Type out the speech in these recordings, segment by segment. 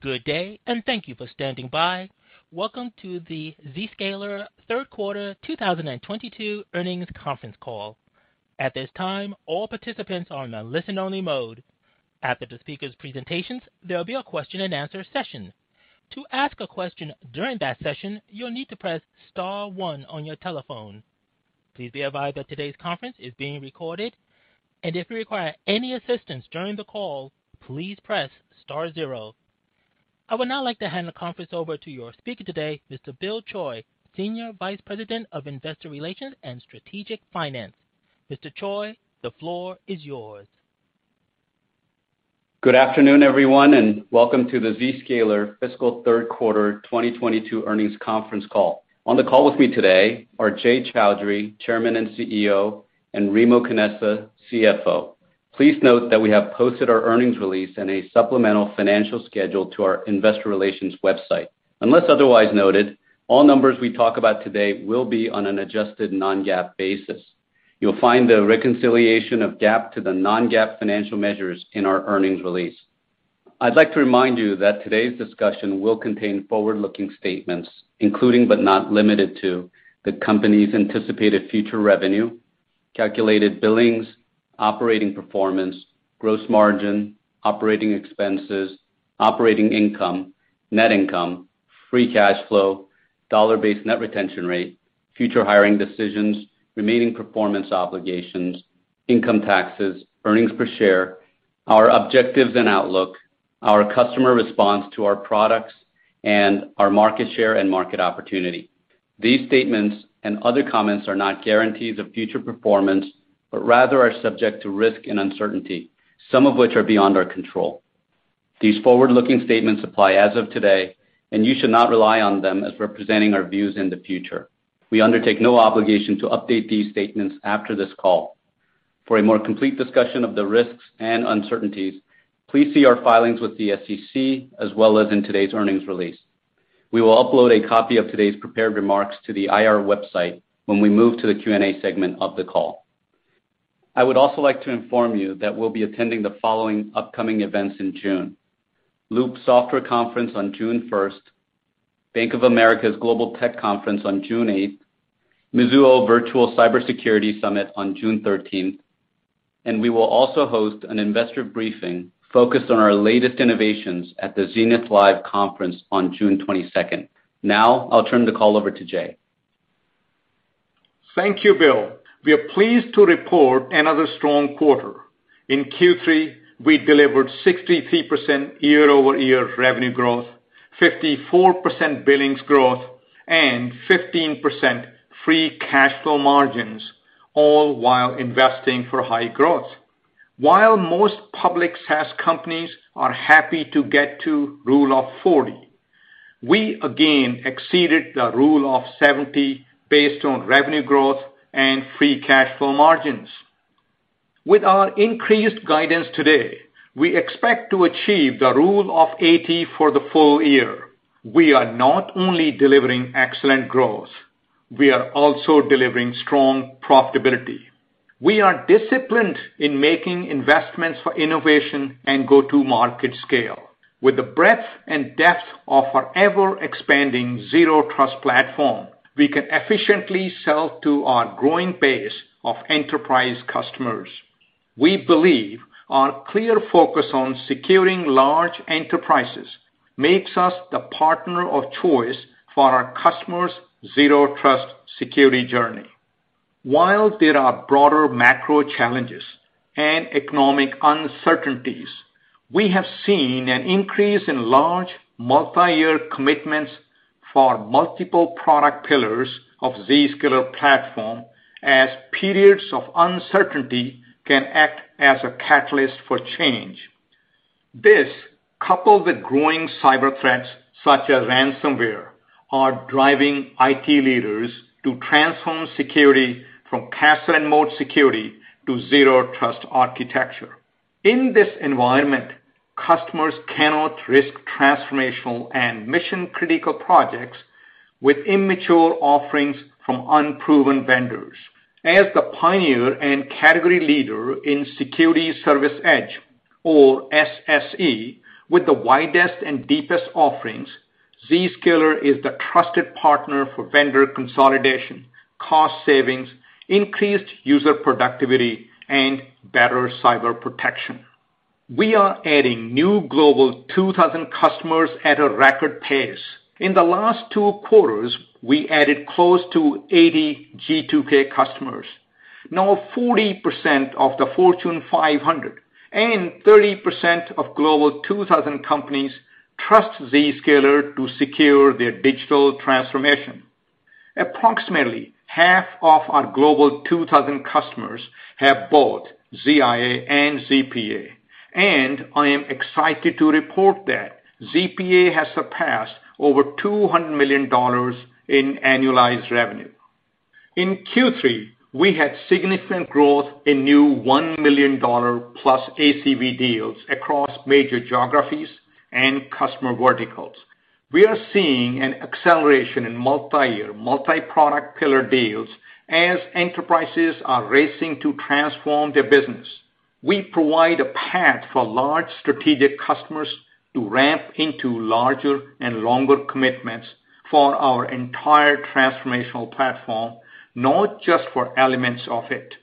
Good day, and thank you for standing by. Welcome to the Zscaler Third Quarter 2022 Earnings Conference Call. At this time, all participants are in a listen-only mode. After the speakers' presentations, there will be a question-and-answer session. To ask a question during that session, you'll need to press star one on your telephone. Please be advised that today's conference is being recorded, and if you require any assistance during the call, please press star zero. I would now like to hand the conference over to your speaker today, Mr. Bill Choi, Senior Vice President of Investor Relations and Strategic Finance. Mr. Choi, the floor is yours. Good afternoon, everyone, and welcome to the Zscaler fiscal Third Quarter 2022 Earnings Conference Call. On the call with me today are Jay Chaudhry, Chairman and CEO, and Remo Canessa, CFO. Please note that we have posted our earnings release in a supplemental financial schedule to our investor relations website. Unless otherwise noted, all numbers we talk about today will be on an adjusted non-GAAP basis. You'll find the reconciliation of GAAP to the non-GAAP financial measures in our earnings release. I'd like to remind you that today's discussion will contain forward-looking statements, including but not limited to the company's anticipated future revenue, calculated billings, operating performance, gross margin, operating expenses, operating income, net income, free cash flow, dollar-based net retention rate, future hiring decisions, remaining performance obligations, income taxes, earnings per share, our objectives and outlook, our customer response to our products, and our market share and market opportunity. These statements and other comments are not guarantees of future performance, but rather are subject to risk and uncertainty, some of which are beyond our control. These forward-looking statements apply as of today, and you should not rely on them as representing our views in the future. We undertake no obligation to update these statements after this call. For a more complete discussion of the risks and uncertainties, please see our filings with the SEC as well as in today's earnings release. We will upload a copy of today's prepared remarks to the IR website when we move to the Q&A segment of the call. I would also like to inform you that we'll be attending the following upcoming events in June: Loop Software Conference on June 1, Bank of America's Global Tech Conference on June 8, Mizuho Virtual Cybersecurity Summit on June 13, and we will also host an investor briefing focused on our latest innovations at the Zenith Live Conference on June 22. Now I'll turn the call over to Jay. Thank you, Bill. We are pleased to report another strong quarter. In Q3, we delivered 63% year-over-year revenue growth, 54% billings growth, and 15% free cash flow margins, all while investing for high growth. While most public SaaS companies are happy to get to rule of 40, we again exceeded the rule of 70 based on revenue growth and free cash flow margins. With our increased guidance today, we expect to achieve the rule of 80 for the full year. We are not only delivering excellent growth, we are also delivering strong profitability. We are disciplined in making investments for innovation and go-to market scale. With the breadth and depth of our ever-expanding zero trust platform, we can efficiently sell to our growing base of enterprise customers. We believe our clear focus on securing large enterprises makes us the partner of choice for our customers' zero trust security journey. While there are broader macro challenges and economic uncertainties, we have seen an increase in large multi-year commitments for multiple product pillars of Zscaler platform as periods of uncertainty can act as a catalyst for change. This, coupled with growing cyber threats such as ransomware, are driving IT leaders to transform security from castle and moat security to zero trust architecture. In this environment, customers cannot risk transformational and mission-critical projects with immature offerings from unproven vendors. As the pioneer and category leader in security service edge, or SSE, with the widest and deepest offerings, Zscaler is the trusted partner for vendor consolidation, cost savings, increased user productivity, and better cyber protection. We are adding new global 2,000 customers at a record pace. In the last two quarters, we added close to 80 G2K customers. Now 40% of the Fortune 500 and 30% of Global 2000 companies trust Zscaler to secure their digital transformation. Approximately half of our Global 2000 customers have both ZIA and ZPA, and I am excited to report that ZPA has surpassed over $200 million in annualized revenue. In Q3, we had significant growth in new $1 million+ ACV deals across major geographies and customer verticals. We are seeing an acceleration in multi-year, multi-product pillar deals as enterprises are racing to transform their business. We provide a path for large strategic customers to ramp into larger and longer commitments for our entire transformational platform, not just for elements of it.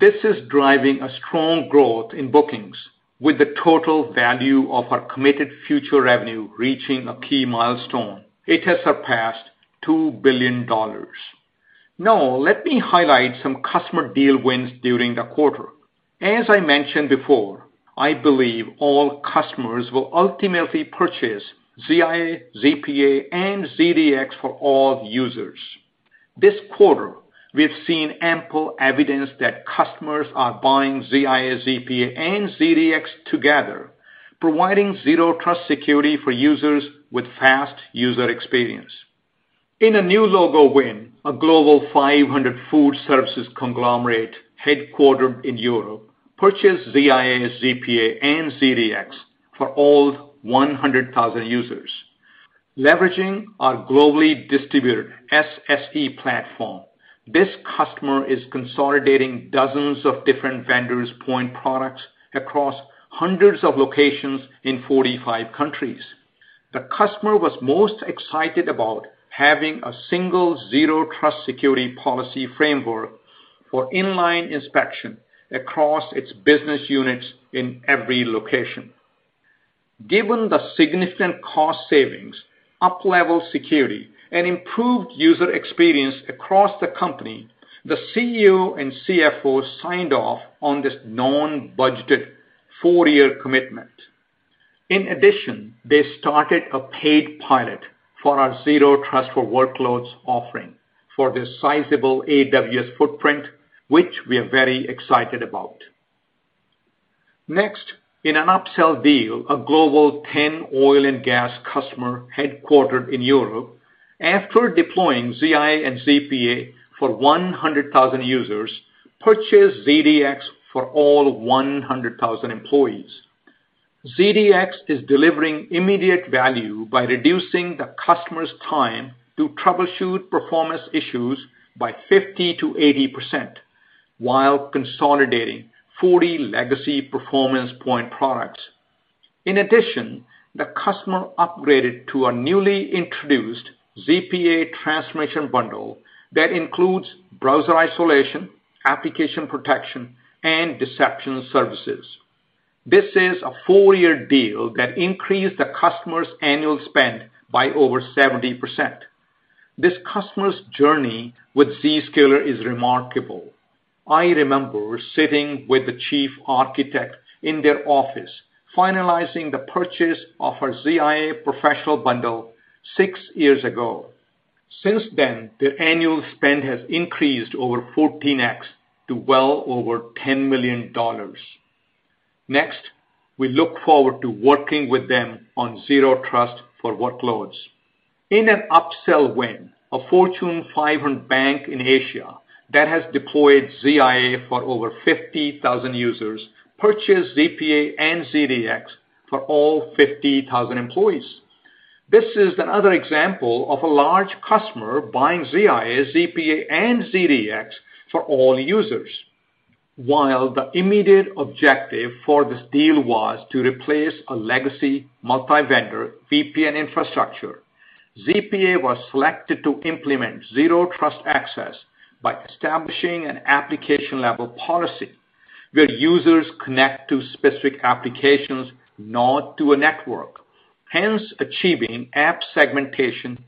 This is driving a strong growth in bookings with the total value of our committed future revenue reaching a key milestone. It has surpassed $2 billion. Now, let me highlight some customer deal wins during the quarter. As I mentioned before, I believe all customers will ultimately purchase ZIA, ZPA, and ZDX for all users. This quarter, we have seen ample evidence that customers are buying ZIA, ZPA, and ZDX together, providing Zero Trust security for users with fast user experience. In a new logo win, a global 500 food services conglomerate headquartered in Europe purchased ZIA, ZPA, and ZDX for all 100,000 users. Leveraging our globally distributed SSE platform, this customer is consolidating dozens of different vendors' point products across hundreds of locations in 45 countries. The customer was most excited about having a single Zero Trust security policy framework for inline inspection across its business units in every location. Given the significant cost savings, up-level security, and improved user experience across the company, the CEO and CFO signed off on this non-budgeted four year commitment. In addition, they started a paid pilot for our Zero Trust for Workloads offering for their sizable AWS footprint, which we are very excited about. Next, in an upsell deal, a global top 10 oil and gas customer headquartered in Europe, after deploying ZIA and ZPA for 100,000 users, purchased ZDX for all 100,000 employees. ZDX is delivering immediate value by reducing the customer's time to troubleshoot performance issues by 50% to 80% while consolidating 40 legacy performance point products. In addition, the customer upgraded to a newly introduced ZPA Transformation bundle that includes browser isolation, application protection, and deception services. This is a four year deal that increased the customer's annual spend by over 70%. This customer's journey with Zscaler is remarkable. I remember sitting with the chief architect in their office finalizing the purchase of our ZIA professional bundle six years ago. Since then, their annual spend has increased over 14x to well over $10 million. Next, we look forward to working with them on Zero Trust for Workloads. In an upsell win, a Fortune 500 bank in Asia that has deployed ZIA for over 50,000 users purchased ZPA and ZDX for all 50,000 employees. This is another example of a large customer buying ZIA, ZPA, and ZDX for all users. While the immediate objective for this deal was to replace a legacy multi-vendor VPN infrastructure, ZPA was selected to implement Zero Trust access by establishing an application-level policy where users connect to specific applications, not to a network, hence achieving app segmentation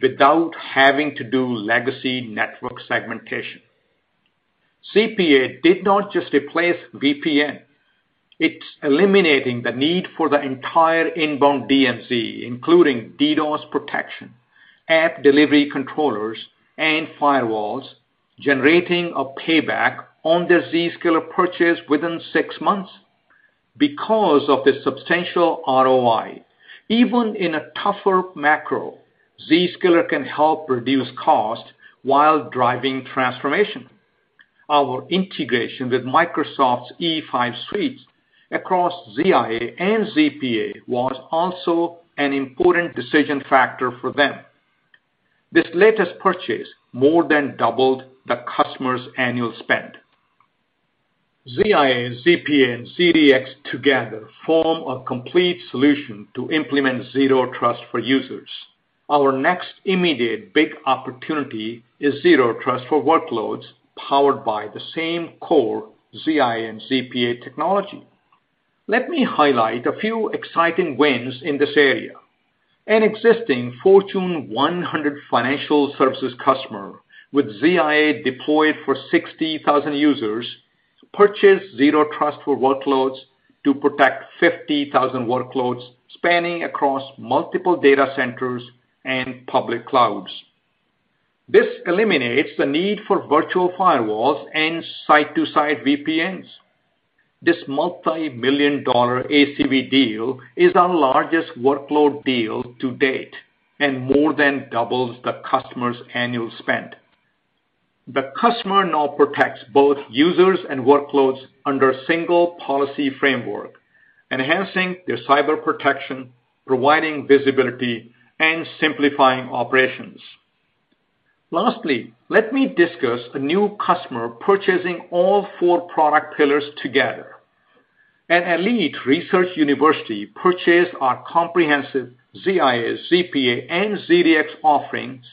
without having to do legacy network segmentation. ZPA did not just replace VPN, it's eliminating the need for the entire inbound DMZ, including DDoS protection, app delivery controllers, and firewalls, generating a payback on their Zscaler purchase within six months. Because of the substantial ROI, even in a tougher macro, Zscaler can help reduce cost while driving transformation. Our integration with Microsoft's E5 suites across ZIA and ZPA was also an important decision factor for them. This latest purchase more than doubled the customer's annual spend. ZIA, ZPA, and ZDX together form a complete solution to implement Zero Trust for users. Our next immediate big opportunity is Zero Trust for Workloads powered by the same core ZIA and ZPA technology. Let me highlight a few exciting wins in this area. An existing Fortune 100 financial services customer with ZIA deployed for 60,000 users purchased Zero Trust for Workloads to protect 50,000 workloads spanning across multiple data centers and public clouds. This eliminates the need for virtual firewalls and site-to-site VPNs. This multimillion-dollar ACV deal is our largest workload deal to date and more than doubles the customer's annual spend. The customer now protects both users and workloads under single policy framework, enhancing their cyber protection, providing visibility and simplifying operations. Lastly, let me discuss a new customer purchasing all four product pillars together. An elite research university purchased our comprehensive ZIA, ZPA, and ZDX offerings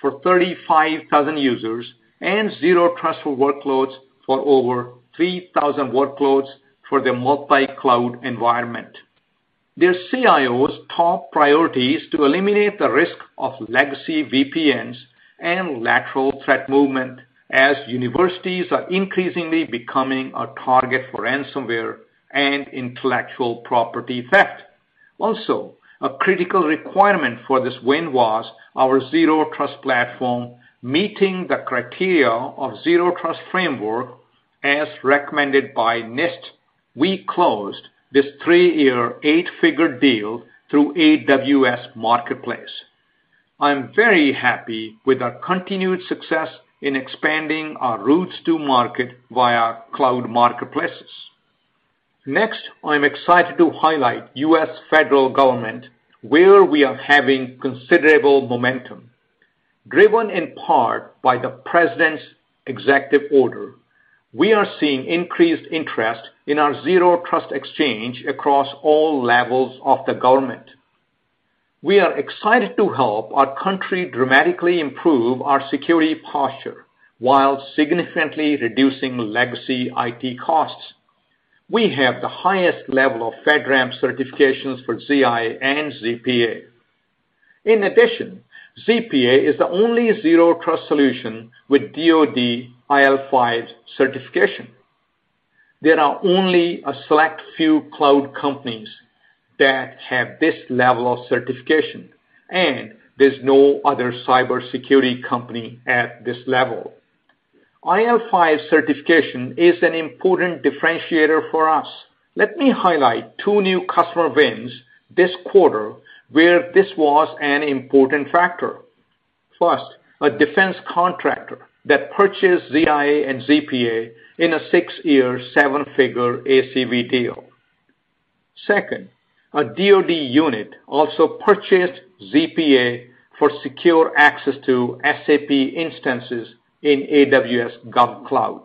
for 35,000 users and Zero Trust workloads for over 3,000 workloads for their multi-cloud environment. Their CIO's top priority is to eliminate the risk of legacy VPNs and lateral threat movement as universities are increasingly becoming a target for ransomware and intellectual property theft. Also, a critical requirement for this win was our Zero Trust platform meeting the criteria of Zero Trust framework as recommended by NIST. We closed this three year, eight-figure deal through AWS Marketplace. I'm very happy with our continued success in expanding our routes to market via cloud marketplaces. Next, I'm excited to highlight U.S. federal government, where we are having considerable momentum. Driven in part by the president's executive order, we are seeing increased interest in our Zero Trust exchange across all levels of the government. We are excited to help our country dramatically improve our security posture while significantly reducing legacy IT costs. We have the highest level of FedRAMP certifications for ZIA and ZPA. In addition, ZPA is the only Zero Trust solution with DoD IL5 certification. There are only a select few cloud companies that have this level of certification, and there's no other cybersecurity company at this level. IL5 certification is an important differentiator for us. Let me highlight two new customer wins this quarter where this was an important factor. Plus, a defense contractor that purchased ZIA and ZPA in a six years, seven-figure ACV deal. Second, a DoD unit also purchased ZPA for secure access to SAP instances in AWS GovCloud.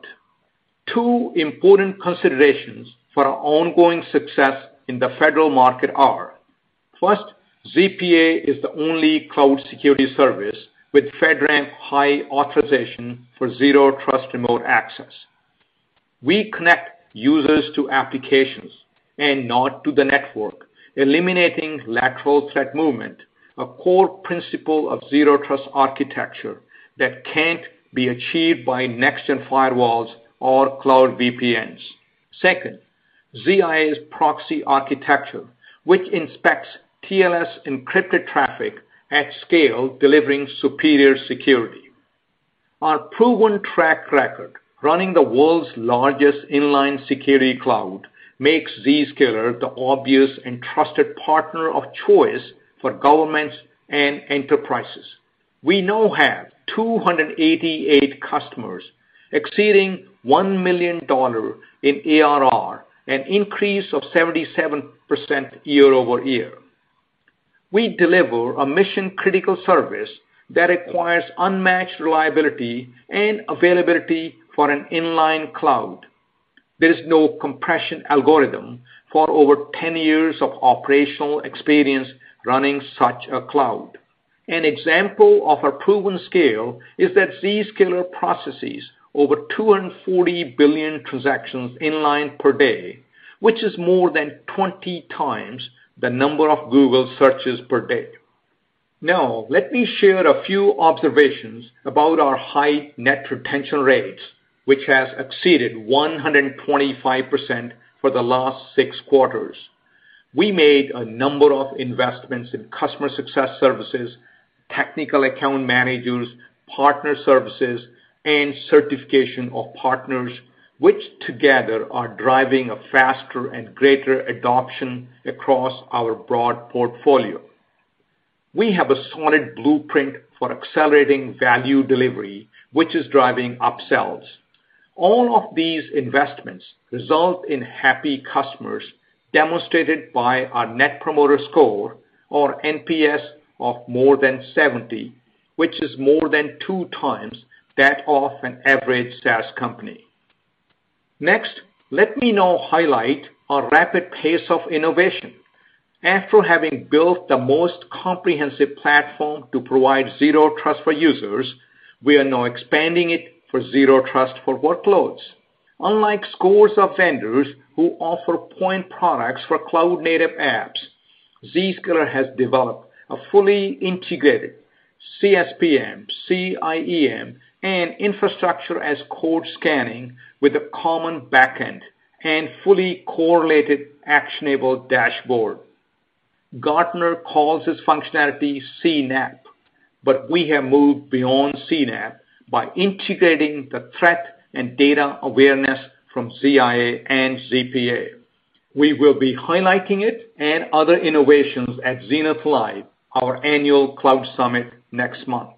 Two important considerations for our ongoing success in the federal market are, first, ZPA is the only cloud security service with FedRAMP high authorization for Zero Trust remote access. We connect users to applications and not to the network, eliminating lateral threat movement, a core principle of Zero Trust architecture that can't be achieved by next-gen firewalls or cloud VPNs. Second, ZIA's proxy architecture, which inspects TLS encrypted traffic at scale, delivering superior security. Our proven track record running the world's largest inline security cloud makes Zscaler the obvious and trusted partner of choice for governments and enterprises. We now have 288 customers exceeding $1 million in ARR, an increase of 77% year-over-year. We deliver a mission-critical service that requires unmatched reliability and availability for an inline cloud. There is no compression algorithm for over 10 years of operational experience running such a cloud. An example of our proven scale is that Zscaler processes over 240 billion transactions in-line per day, which is more than 20x the number of Google searches per day. Now, let me share a few observations about our high net retention rates, which has exceeded 125% for the last six quarters. We made a number of investments in customer success services, technical account managers, partner services, and certification of partners, which together are driving a faster and greater adoption across our broad portfolio. We have a solid blueprint for accelerating value delivery, which is driving upsells. All of these investments result in happy customers, demonstrated by our net promoter score or NPS of more than 70, which is more than two times that of an average SaaS company. Next, let me now highlight our rapid pace of innovation. After having built the most comprehensive platform to provide Zero Trust for users, we are now expanding it for Zero Trust for workloads. Unlike scores of vendors who offer point products for cloud-native apps, Zscaler has developed a fully integrated CSPM, CIEM, and infrastructure as code scanning with a common backend and fully correlated actionable dashboard. Gartner calls this functionality CNAPP, but we have moved beyond CNAPP by integrating the threat and data awareness from ZIA and ZPA. We will be highlighting it and other innovations at Zenith Live, our annual cloud summit, next month.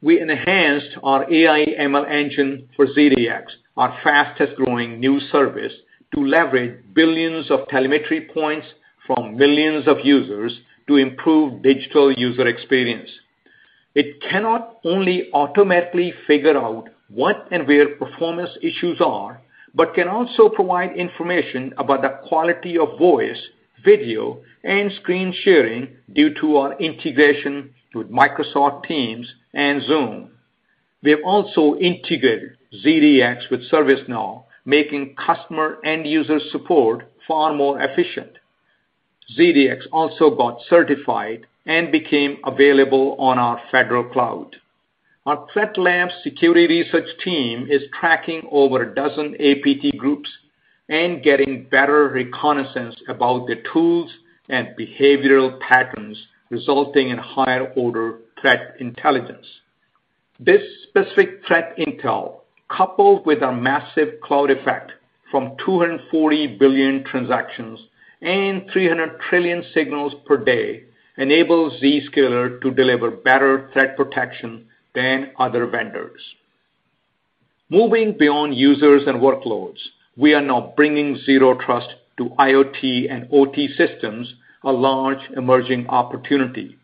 We enhanced our AI ML engine for ZDX, our fastest growing new service, to leverage billions of telemetry points from millions of users to improve digital user experience. It cannot only automatically figure out what and where performance issues are, but can also provide information about the quality of voice, video, and screen sharing due to our integration with Microsoft Teams and Zoom. We have also integrated ZDX with ServiceNow, making customer end user support far more efficient. ZDX also got certified and became available on our federal cloud. Our ThreatLabz security research team is tracking over a dozen APT groups and getting better reconnaissance about their tools and behavioral patterns, resulting in higher order threat intelligence. This specific threat intel, coupled with our massive cloud effect from 240 billion transactions and 300 trillion signals per day, enables Zscaler to deliver better threat protection than other vendors. Moving beyond users and workloads, we are now bringing Zero Trust to IoT and OT systems, a large emerging opportunity.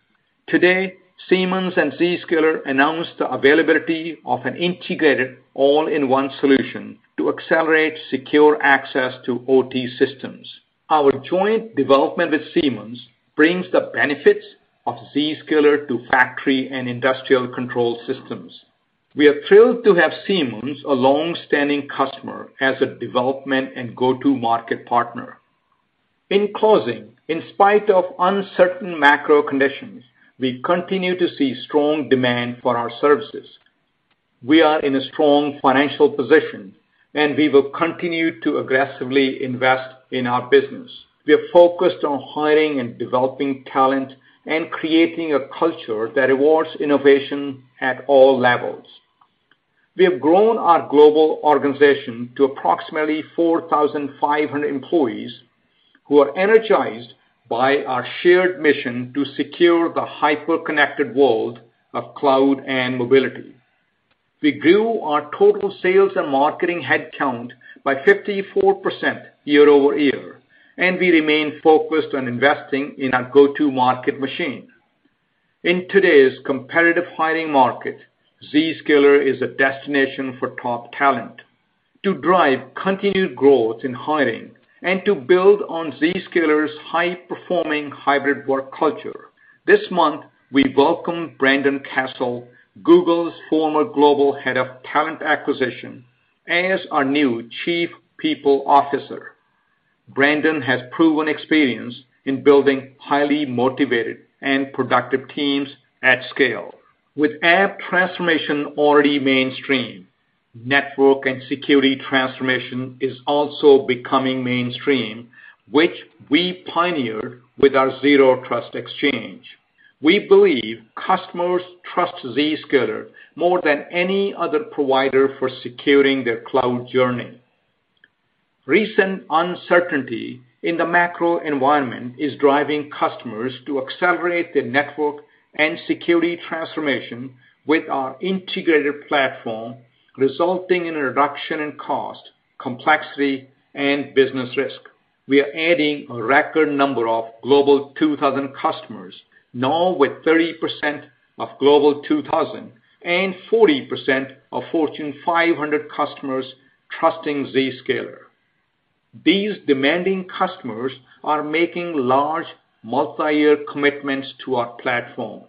Today, Siemens and Zscaler announced the availability of an integrated all-in-one solution to accelerate secure access to OT systems. Our joint development with Siemens brings the benefits of Zscaler to factory and industrial control systems. We are thrilled to have Siemens, a long-standing customer, as a development and go-to market partner. In closing, in spite of uncertain macro conditions, we continue to see strong demand for our services. We are in a strong financial position, and we will continue to aggressively invest in our business. We are focused on hiring and developing talent and creating a culture that rewards innovation at all levels. We have grown our global organization to approximately 4,500 employees who are energized by our shared mission to secure the hyper-connected world of cloud and mobility. We grew our total sales and marketing headcount by 54% year-over-year, and we remain focused on investing in our go-to-market machine. In today's competitive hiring market, Zscaler is a destination for top talent. To drive continued growth in hiring and to build on Zscaler's high-performing hybrid work culture, this month we welcomed Brendan Castle, Google's former Global Head of Talent Acquisition, as our new Chief People Officer. Brendan has proven experience in building highly motivated and productive teams at scale. With app transformation already mainstream, network and security transformation is also becoming mainstream, which we pioneered with our Zero Trust Exchange. We believe customers trust Zscaler more than any other provider for securing their cloud journey. Recent uncertainty in the macro environment is driving customers to accelerate their network and security transformation with our integrated platform, resulting in a reduction in cost, complexity, and business risk. We are adding a record number of Global 2000 customers, now with 30% of Global 2000 and 40% of Fortune 500 customers trusting Zscaler. These demanding customers are making large multi-year commitments to our platform.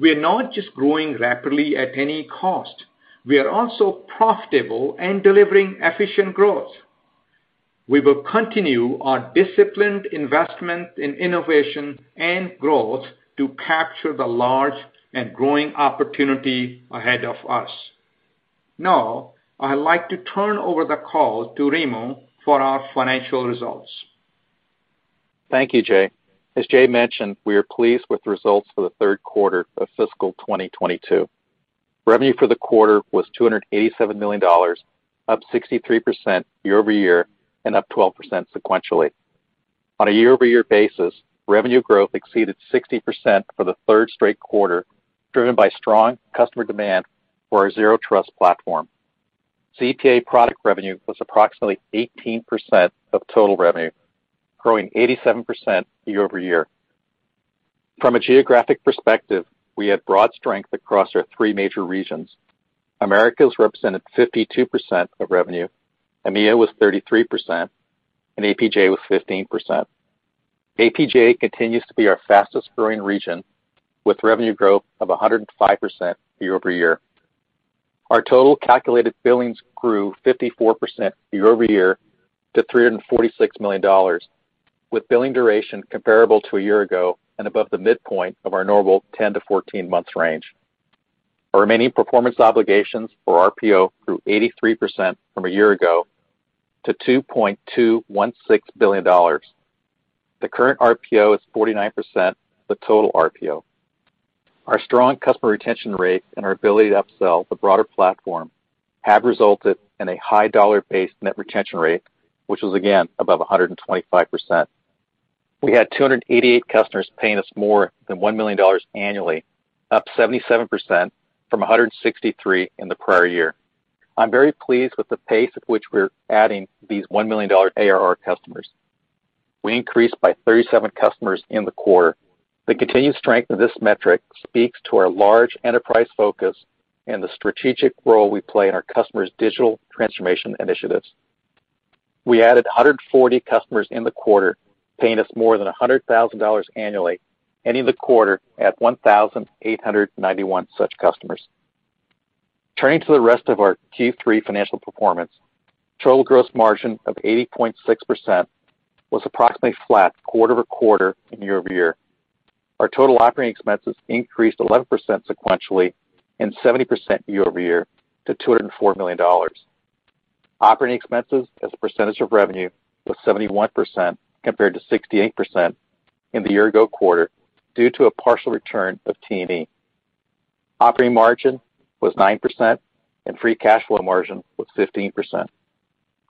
We are not just growing rapidly at any cost. We are also profitable and delivering efficient growth. We will continue our disciplined investment in innovation and growth to capture the large and growing opportunity ahead of us. Now, I'd like to turn over the call to Remo for our financial results. Thank you, Jay. As Jay mentioned, we are pleased with the results for the third quarter of fiscal 2022. Revenue for the quarter was $287 million, up 63% year-over-year and up 12% sequentially. On a year-over-year basis, revenue growth exceeded 60% for the third straight quarter, driven by strong customer demand for our Zero Trust platform. ZPA product revenue was approximately 18% of total revenue, growing 87% year-over-year. From a geographic perspective, we had broad strength across our three major regions. Americas represented 52% of revenue, EMEA was 33%, and APJ was 15%. APJ continues to be our fastest growing region, with revenue growth of 105% year-over-year. Our total calculated billings grew 54% year-over-year to $346 million, with billing duration comparable to a year ago and above the midpoint of our normal 10-14 months range. Our remaining performance obligations or RPO grew 83% from a year ago to $2.216 billion. The current RPO is 49% the total RPO. Our strong customer retention rate and our ability to upsell the broader platform have resulted in a high dollar-based net retention rate, which was again above 125%. We had 288 customers paying us more than $1 million annually, up 77% from 163 in the prior year. I'm very pleased with the pace at which we're adding these $1 million ARR customers. We increased by 37 customers in the quarter. The continued strength of this metric speaks to our large enterprise focus and the strategic role we play in our customers' digital transformation initiatives. We added 140 customers in the quarter, paying us more than $100,000 annually, ending the quarter at 1,891 such customers. Turning to the rest of our Q3 financial performance. Total gross margin of 80.6% was approximately flat quarter over quarter and year over year. Our total operating expenses increased 11% sequentially and 70% year-over-year to $204 million. Operating expenses as a percentage of revenue was 71% compared to 68% in the year ago quarter due to a partial return of T&E. Operating margin was 9%, and free cash flow margin was 15%.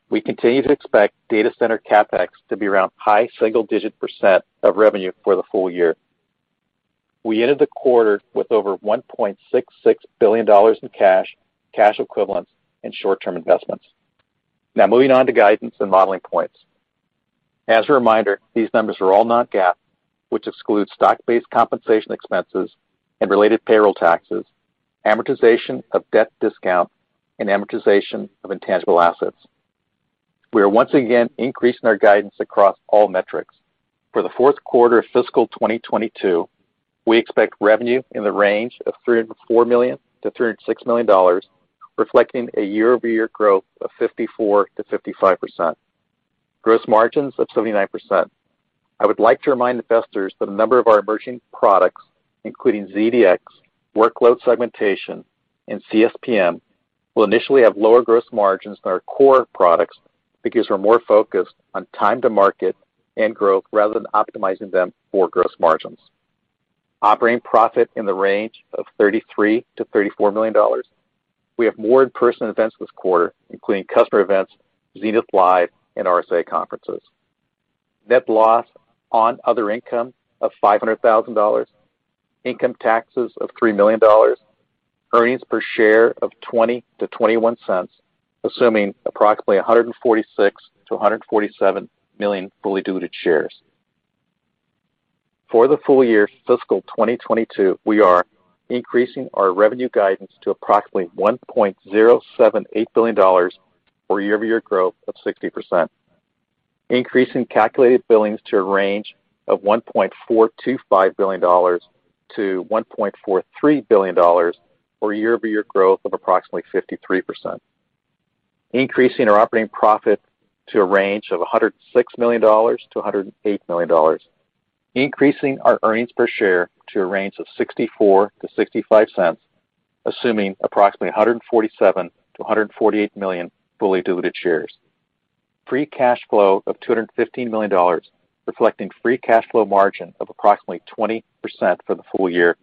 We continue to expect data center CapEx to be around high single-digit percent of revenue for the full year. We ended the quarter with over $1.66 billion in cash equivalents, and short-term investments. Now moving on to guidance and modeling points. As a reminder, these numbers are all non-GAAP, which excludes stock-based compensation expenses and related payroll taxes, amortization of debt discount, and amortization of intangible assets. We are once again increasing our guidance across all metrics. For the fourth quarter of fiscal 2022, we expect revenue in the range of $304 million to $306 million, reflecting a year-over-year growth of 54% to 55%. Gross margins of 79%. I would like to remind investors that a number of our emerging products, including ZDX, workload segmentation, and CSPM, will initially have lower gross margins than our core products because we're more focused on time to market and growth rather than optimizing them for gross margins. Operating profit in the range of $33 million to $34 million. We have more in-person events this quarter, including customer events, Zenith Live, and RSA conferences. Net loss on other income of $500,000. Income taxes of $3 million. Earnings per share of $0.20 to $0.21, assuming approximately 146 million to 147 million fully diluted shares. For the full year fiscal 2022, we are increasing our revenue guidance to approximately $1.078 billion, or year-over-year growth of 60%. Increasing calculated billings to a range of $1.425 billion to $1.43 billion, or year-over-year growth of approximately 53%. Increasing our operating profit to a range of $106 million to $108 million. Increasing our earnings per share to a range of $0.64 to $0.65, assuming approximately 147 to 148 million fully diluted shares. Free cash flow of $215 million, reflecting free cash flow margin of approximately 20% for the full year.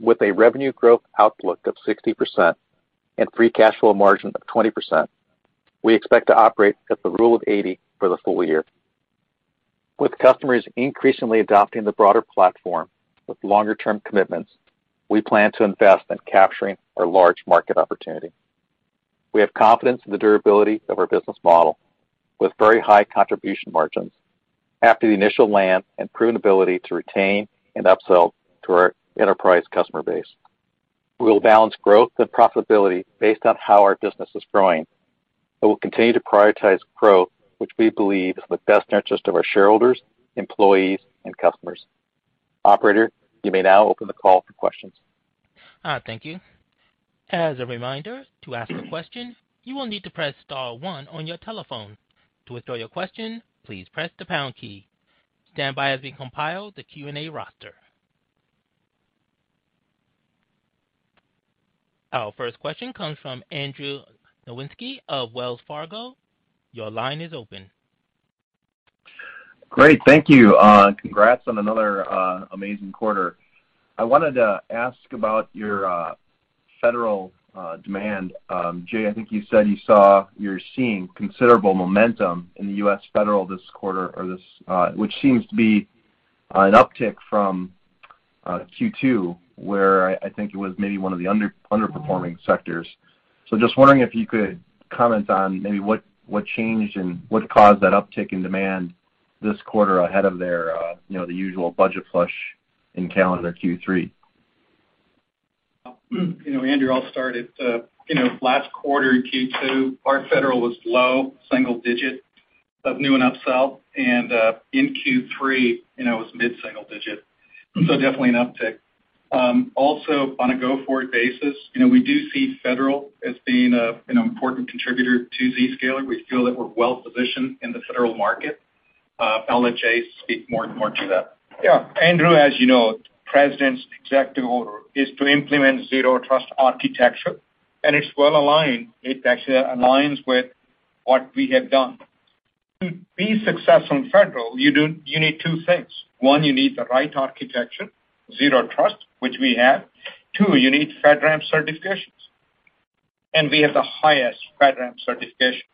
With a revenue growth outlook of 60% and free cash flow margin of 20%, we expect to operate at the rule of 80 for the full year. With customers increasingly adopting the broader platform with longer-term commitments, we plan to invest in capturing our large market opportunity. We have confidence in the durability of our business model with very high contribution margins after the initial land and proven ability to retain and upsell to our enterprise customer base. We will balance growth and profitability based on how our business is growing, but we'll continue to prioritize growth, which we believe is in the best interest of our shareholders, employees, and customers. Operator, you may now open the call for questions. Thank you. As a reminder, to ask a question, you will need to press star one on your telephone. To withdraw your question, please press the pound key. Stand by as we compile the Q&A roster. Our first question comes from Andrew Nowinski of Wells Fargo. Your line is open. Great. Thank you. Congrats on another amazing quarter. I wanted to ask about your federal demand. Jay, I think you said you're seeing considerable momentum in the U.S. federal this quarter or this, which seems to be an uptick from Q2, where I think it was maybe one of the underperforming sectors. Just wondering if you could comment on maybe what changed and what caused that uptick in demand this quarter ahead of their, you know, the usual budget flush in calendar Q3. You know, Andrew, I'll start it. You know, last quarter in Q2, our federal was low single digit of new and upsell. In Q3, you know, it was mid-single digit. Definitely an uptick. Also on a go-forward basis, you know, we do see federal as being an important contributor to Zscaler. We feel that we're well-positioned in the federal market. I'll let Jay speak more to that. Yeah. Andrew, as you know, President's executive order is to implement Zero Trust Architecture, and it's well aligned. It actually aligns with what we have done. To be successful in federal, you need two things. One, you need the right architecture, Zero Trust, which we have. Two, you need FedRAMP certifications. We have the highest FedRAMP certifications.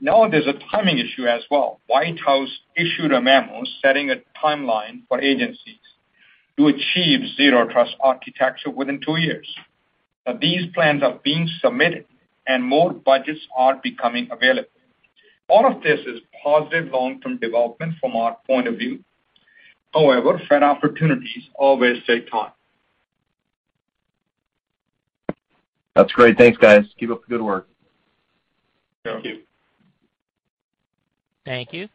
Now there's a timing issue as well. White House issued a memo setting a timeline for agencies to achieve Zero Trust architecture within two years. These plans are being submitted and more budgets are becoming available. All of this is positive long-term development from our point of view. However, Fed opportunities always take time. That's great. Thanks, guys. Keep up the good work. Thank you. Thank you.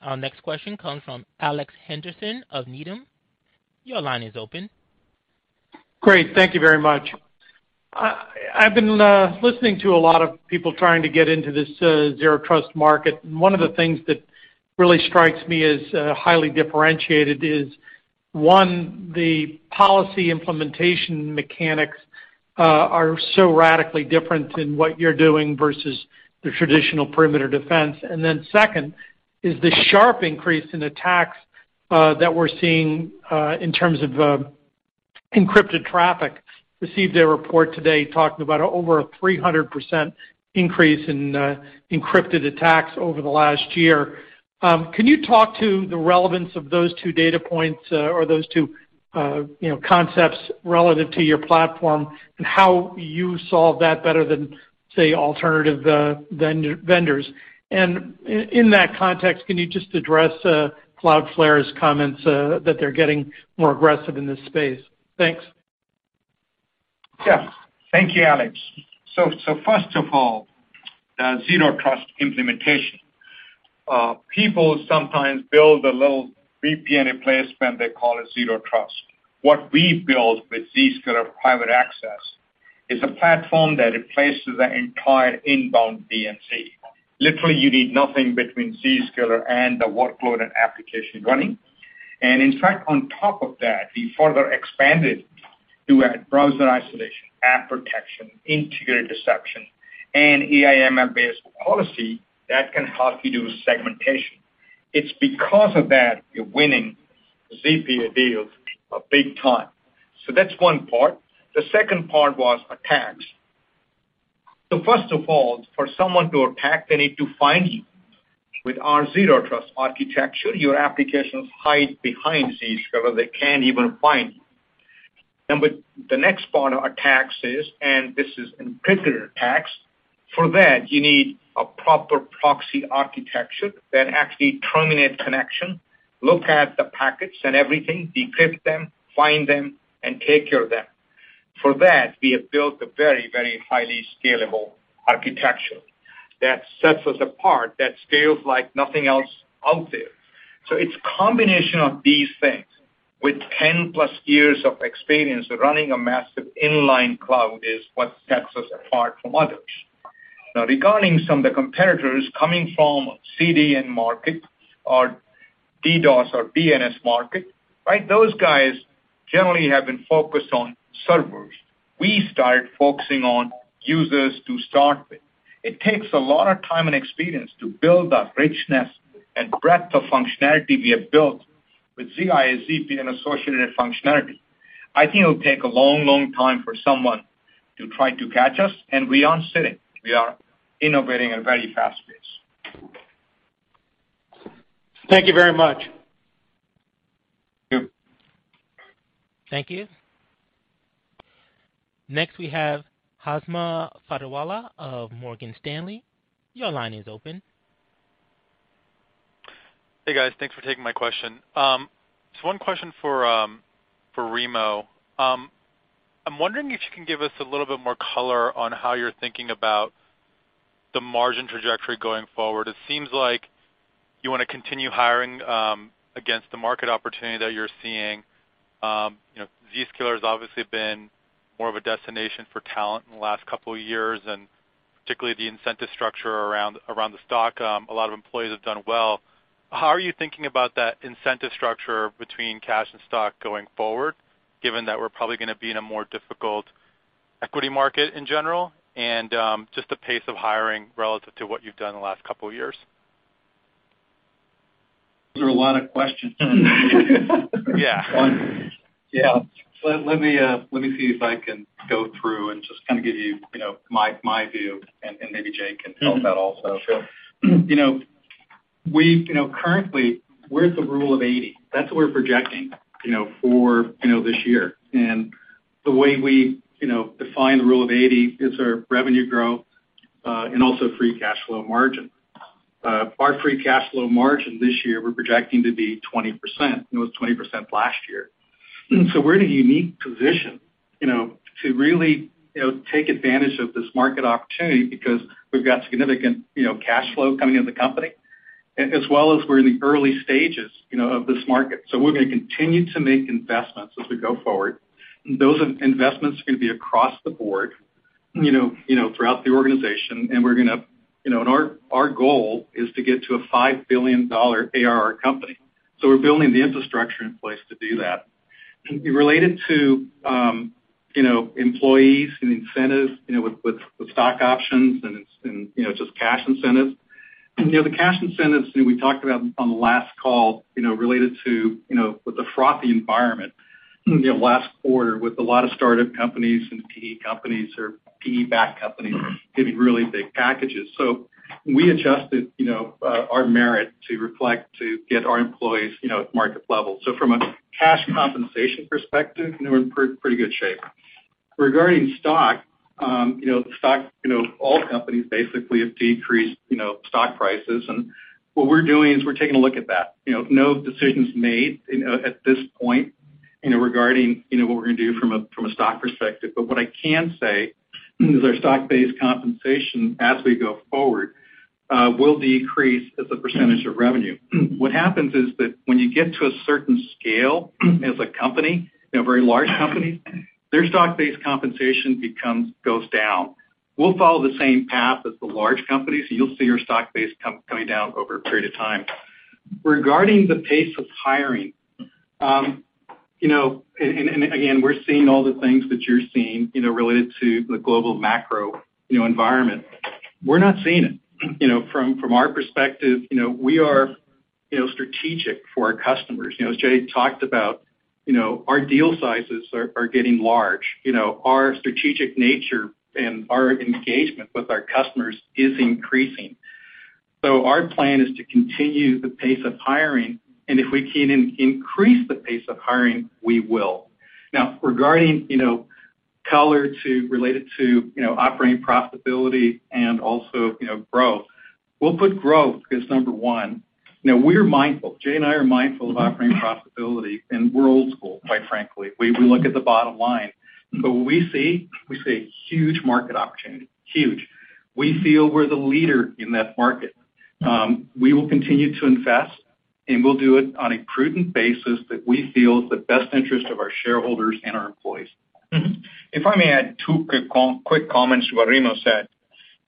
Our next question comes from Alex Henderson of Needham. Your line is open. Great. Thank you very much. I've been listening to a lot of people trying to get into this Zero Trust market, and one of the things that really strikes me as highly differentiated is, one, the policy implementation mechanics are so radically different than what you're doing versus the traditional perimeter defense. And then second is the sharp increase in attacks that we're seeing in terms of encrypted traffic. Received a report today talking about over a 300% increase in encrypted attacks over the last year. Can you talk to the relevance of those two data points or those two, you know, concepts relative to your platform and how you solve that better than, say, alternative vendors? In that context, can you just address Cloudflare's comments that they're getting more aggressive in this space? Thanks. Yeah. Thank you, Alex. First of all, Zero Trust implementation. People sometimes build a little VPN replacement, they call it Zero Trust. What we built with Zscaler Private Access is a platform that replaces the entire inbound DMZ. Literally, you need nothing between Zscaler and the workload and application running. In fact, on top of that, we further expanded to add browser isolation, app protection, integrated deception, and AI/ML-based policy that can help you do segmentation. It's because of that you're winning ZPA deals big time. That's one part. The second part was attacks. First of all, for someone to attack, they need to find you. With our Zero Trust architecture, your applications hide behind Zscaler. They can't even find you. With the next part of attacks is, and this is encrypted attacks, for that, you need a proper proxy architecture that actually terminate connection, look at the packets and everything, decrypt them, find them, and take care of them. For that, we have built a very, very highly scalable architecture that sets us apart, that scales like nothing else out there. It's combination of these things with 10+ years of experience running a massive inline cloud is what sets us apart from others. Now, regarding some of the competitors coming from CDN market or DDoS or DNS market, right? Those guys generally have been focused on servers. We started focusing on users to start with. It takes a lot of time and experience to build that richness and breadth of functionality we have built with ZIA, ZPA, and associated functionality. I think it'll take a long, long time for someone to try to catch us, and we aren't sitting. We are innovating at a very fast pace. Thank you very much. Thank you. Thank you. Next, we have Hamza Fodderwala of Morgan Stanley. Your line is open. Hey, guys. Thanks for taking my question. So one question for Remo. I'm wondering if you can give us a little bit more color on how you're thinking about the margin trajectory going forward. It seems like you wanna continue hiring against the market opportunity that you're seeing. You know, Zscaler's obviously been more of a destination for talent in the last couple of years, and particularly the incentive structure around the stock, a lot of employees have done well. How are you thinking about that incentive structure between cash and stock going forward, given that we're probably gonna be in a more difficult equity market in general, and just the pace of hiring relative to what you've done in the last couple of years? Those are a lot of questions. Yeah. Yeah. Let me see if I can go through and just kinda give you know, my view and maybe Jay can help that also. Sure. You know, we've you know currently we're at the rule of 80. That's what we're projecting, you know, for, you know, this year. The way we, you know, define the rule of 80 is our revenue growth and also free cash flow margin. Our free cash flow margin this year we're projecting to be 20%. It was 20% last year. We're in a unique position, you know, to really, you know, take advantage of this market opportunity because we've got significant, you know, cash flow coming into the company as well as we're in the early stages, you know, of this market. We're gonna continue to make investments as we go forward. Those investments are gonna be across the board, you know, throughout the organization. We're gonna, you know, our goal is to get to a $5 billion ARR company. We're building the infrastructure in place to do that. Related to, you know, employees and incentives, you know, with stock options and, you know, just cash incentives. You know, the cash incentives, you know, we talked about on the last call, you know, related to, you know, with the frothy environment, you know, last quarter with a lot of startup companies and PE companies or PE-backed companies giving really big packages. We adjusted, you know, our merit to reflect, to get our employees, you know, at market level. From a cash compensation perspective, you know, we're in pretty good shape. Regarding stock, you know, stock, you know, all companies basically have decreased, you know, stock prices. What we're doing is we're taking a look at that, you know. No decisions made, you know, at this point, you know, regarding, you know, what we're gonna do from a stock perspective. What I can say is our stock-based compensation, as we go forward, will decrease as a percentage of revenue. What happens is that when you get to a certain scale as a company, you know, very large companies, their stock-based compensation goes down. We'll follow the same path as the large companies. You'll see your stock-based coming down over a period of time. Regarding the pace of hiring, you know, and again, we're seeing all the things that you're seeing, you know, related to the global macro environment. We're not seeing it. You know, from our perspective, you know, we are, you know, strategic for our customers. You know, as Jay talked about, you know, our deal sizes are getting large. You know, our strategic nature and our engagement with our customers is increasing. Our plan is to continue the pace of hiring, and if we can increase the pace of hiring, we will. Now regarding, you know, color related to, you know, operating profitability and also, you know, growth. We'll put growth as number one. Now we're mindful, Jay and I are mindful of operating profitability, and we're old school, quite frankly. We look at the bottom line. What we see is a huge market opportunity. Huge. We feel we're the leader in that market. We will continue to invest, and we'll do it on a prudent basis that we feel is the best interest of our shareholders and our employees. If I may add two quick comments to what Remo said.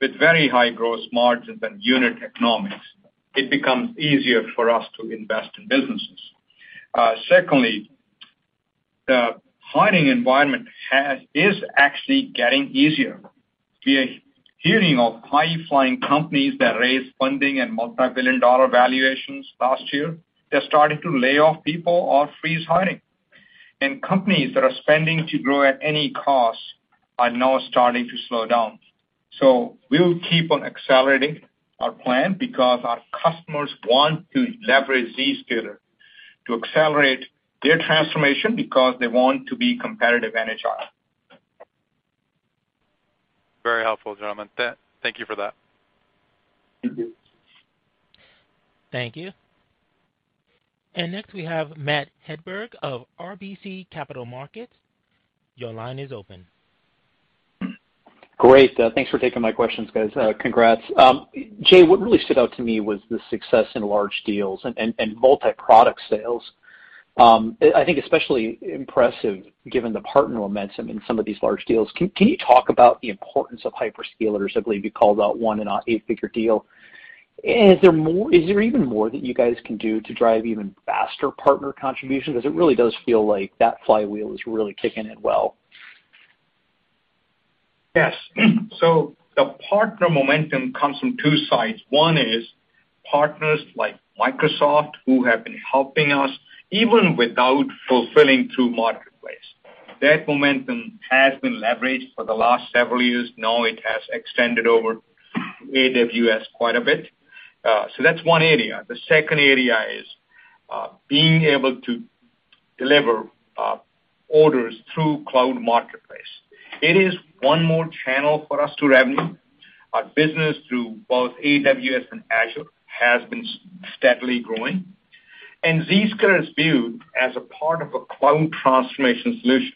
With very high growth margins and unit economics, it becomes easier for us to invest in businesses. Secondly, the hiring environment is actually getting easier. We are hearing of high-flying companies that raised funding and multi-billion dollar valuations last year, they're starting to lay off people or freeze hiring. Companies that are spending to grow at any cost are now starting to slow down. We will keep on accelerating our plan because our customers want to leverage Zscaler to accelerate their transformation because they want to be competitive in HR. Very helpful, gentlemen. Thank you for that. Thank you. Thank you. Next, we have Matt Hedberg of RBC Capital Markets. Your line is open. Great. Thanks for taking my questions, guys. Congrats. Jay, what really stood out to me was the success in large deals and multi-product sales. I think especially impressive given the partner momentum in some of these large deals. Can you talk about the importance of hyperscalers? I believe you called out one in an eight-figure deal. Is there even more that you guys can do to drive even faster partner contribution? 'Cause it really does feel like that flywheel is really kicking in well. Yes. The partner momentum comes from two sides. One is partners like Microsoft who have been helping us even without fulfilling through Marketplace. That momentum has been leveraged for the last several years. Now it has extended over AWS quite a bit. That's one area. The second area is being able to deliver orders through cloud Marketplace. It is one more channel for us to revenue. Our business through both AWS and Azure has been steadily growing. Zscaler is viewed as a part of a cloud transformation solution.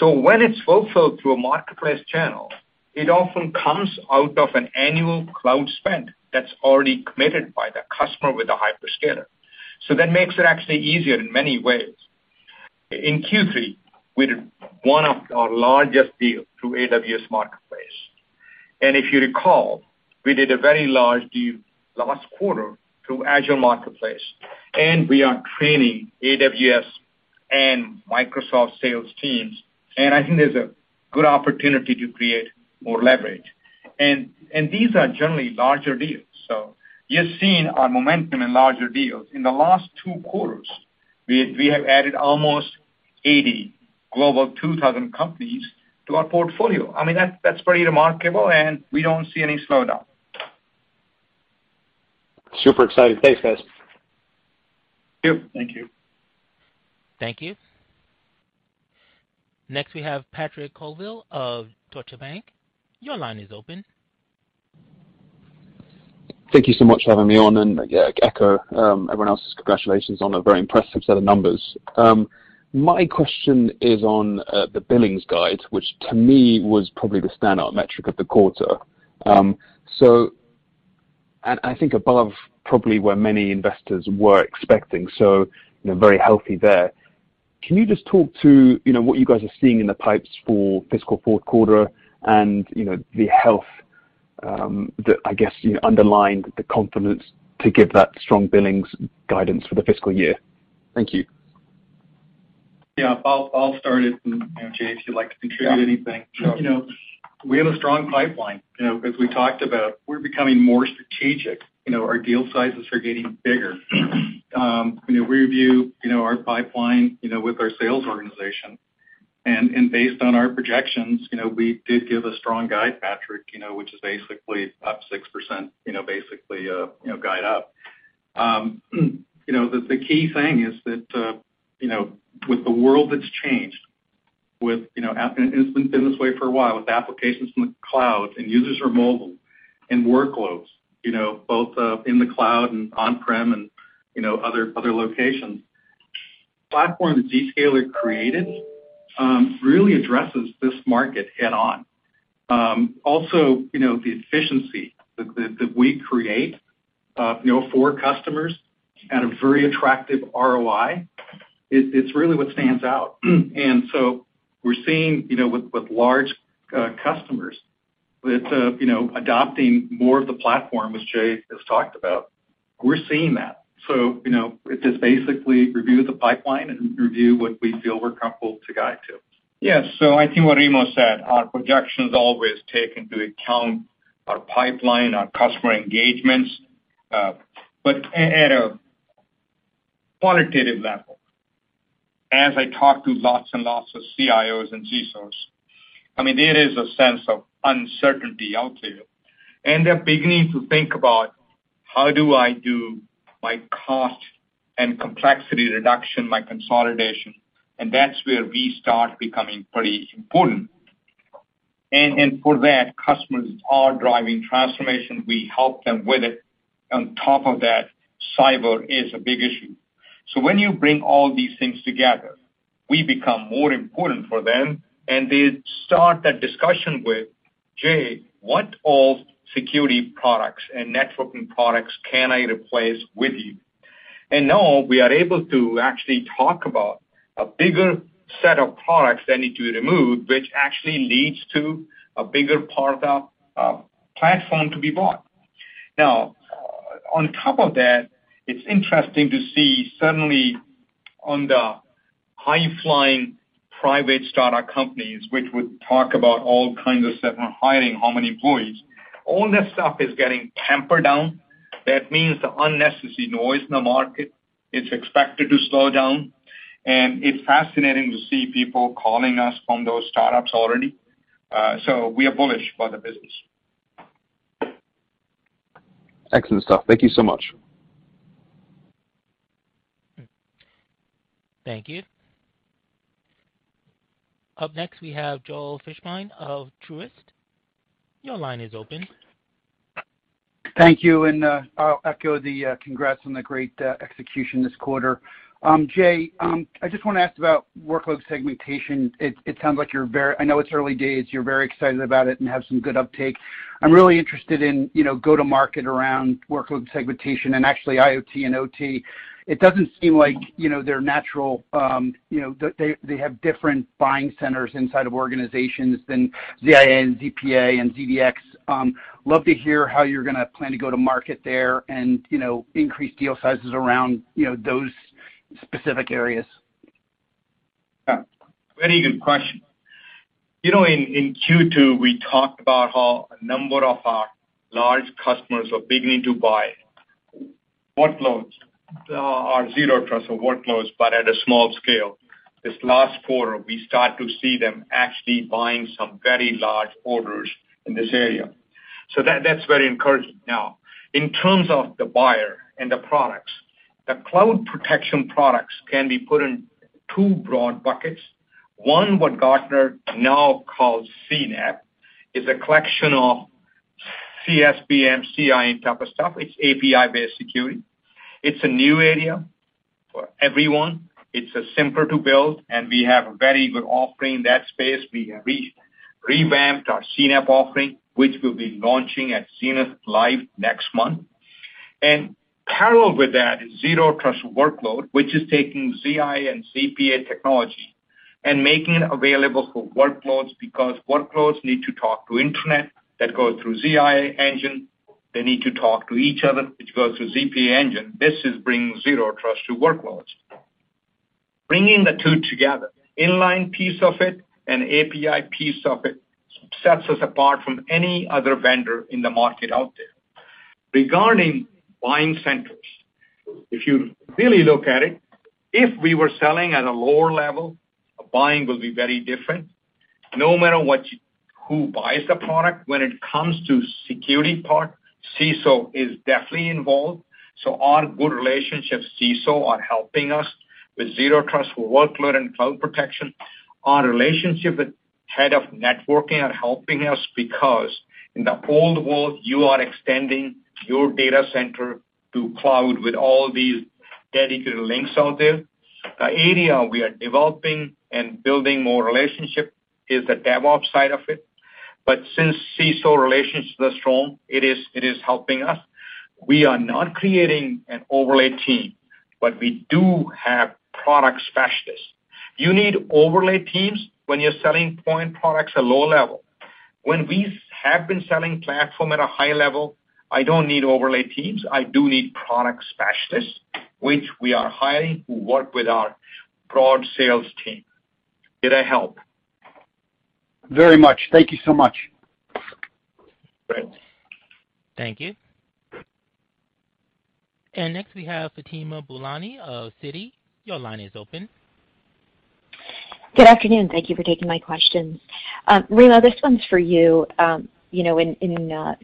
When it's fulfilled through a Marketplace channel, it often comes out of an annual cloud spend that's already committed by the customer with a hyperscaler. That makes it actually easier in many ways. In Q3, we did one of our largest deals through AWS Marketplace. If you recall, we did a very large deal last quarter through Azure Marketplace, and we are training AWS and Microsoft sales teams, and I think there's a good opportunity to create more leverage. These are generally larger deals. You're seeing our momentum in larger deals. In the last two quarters, we have added almost 80 Forbes Global 2000 companies to our portfolio. I mean, that's pretty remarkable, and we don't see any slowdown. Super exciting. Thanks, guys. Thank you. Thank you. Thank you. Next, we have Patrick Colville of Deutsche Bank. Your line is open. Thank you so much for having me on, and yeah, I echo everyone else's congratulations on a very impressive set of numbers. My question is on the billings guidance, which to me was probably the standout metric of the quarter. I think above probably where many investors were expecting, so, you know, very healthy there. Can you just talk to, you know, what you guys are seeing in the pipes for fiscal fourth quarter and, you know, the health that I guess you underlined the confidence to give that strong billings guidance for the fiscal year. Thank you. Yeah. I'll start it and Jay, if you'd like to contribute anything. Sure. You know, we have a strong pipeline, you know, as we talked about, we're becoming more strategic. You know, our deal sizes are getting bigger. You know, we review, you know, our pipeline, you know, with our sales organization. Based on our projections, you know, we did give a strong guide, Patrick, you know, which is basically up 6%, you know, basically guide up. The key thing is that, you know, with the world that's changed, it's been this way for a while, with applications in the cloud, and users are mobile and workloads both in the cloud and on-prem and other locations. Platform that Zscaler created really addresses this market head on. Also, you know, the efficiency that we create, you know, for customers at a very attractive ROI, it's really what stands out. We're seeing, you know, with large customers with, you know, adopting more of the platform, which Jay has talked about, we're seeing that. You know, it is basically review the pipeline and review what we feel we're comfortable to guide to. Yes. I think what Remo said, our projection is always take into account our pipeline, our customer engagements, but at a quantitative level, as I talk to lots and lots of CIOs and CISOs, I mean, there is a sense of uncertainty out there. They're beginning to think about how do I do my cost and complexity reduction, my consolidation, and that's where we start becoming pretty important. For that, customers are driving transformation. We help them with it. On top of that, cyber is a big issue. When you bring all these things together, we become more important for them, and they start that discussion with, "Jay, what all security products and networking products can I replace with you?" Now we are able to actually talk about a bigger set of products that need to be removed, which actually leads to a bigger part of platform to be bought. Now, on top of that, it's interesting to see suddenly on the high-flying private startup companies, which would talk about all kinds of stuff and hiring how many employees, all that stuff is getting tempered down. That means the unnecessary noise in the market is expected to slow down. It's fascinating to see people calling us from those startups already. We are bullish about the business. Excellent stuff. Thank you so much. Thank you. Up next, we have Joel Fishbein of Truist. Your line is open. Thank you. I'll echo the congrats on the great execution this quarter. Jay, I just wanna ask about workload segmentation. It sounds like you're very—I know it's early days, you're very excited about it and have some good uptake. I'm really interested in, you know, go-to-market around workload segmentation and actually IoT and OT. It doesn't seem like, you know, they're natural, you know, they have different buying centers inside of organizations than ZIA and ZPA and ZDX. Love to hear how you're gonna plan to go to market there and, you know, increase deal sizes around, you know, those specific areas. Yeah. Very good question. You know, in Q2, we talked about how a number of our large customers are beginning to buy workloads, our zero trust workloads, but at a small scale. This last quarter, we start to see them actually buying some very large orders in this area. That, that's very encouraging. Now, in terms of the buyer and the products, the cloud protection products can be put in two broad buckets. One, what Gartner now calls CNAPP, is a collection of CSPM, CIEM type of stuff. It's API-based security. It's a new area for everyone. It's simpler to build, and we have a very good offering in that space. We revamped our CNAPP offering, which we'll be launching at Zenith Live next month. Parallel with that is Zero Trust workload, which is taking ZIA and ZPA technology and making it available for workloads because workloads need to talk to internet that goes through ZIA engine. They need to talk to each other, which goes through ZPA engine. This is bringing Zero Trust to workloads. Bringing the two together, inline piece of it and API piece of it, sets us apart from any other vendor in the market out there. Regarding buying centers, if you really look at it, if we were selling at a lower level, buying will be very different. No matter what who buys the product, when it comes to security part, CISO is definitely involved. Our good relationships CISO are helping us with Zero Trust workload and cloud protection. Our relationship with head of networking are helping us because in the old world, you are extending your data center to cloud with all these dedicated links out there. The area we are developing and building more relationship is the DevOps side of it. Since CISO relationship is strong, it is helping us. We are not creating an overlay team, but we do have product specialists. You need overlay teams when you're selling point products at low level. When we have been selling platform at a high level, I don't need overlay teams. I do need product specialists, which we are hiring to work with our broad sales team. Did I help? Very much. Thank you so much. Great. Thank you. Next, we have Fatima Boolani of Citi. Your line is open. Good afternoon. Thank you for taking my questions. Remo, this one's for you. You know, in